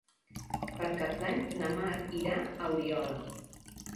Per Cap d'Any na Mar irà a Oriola.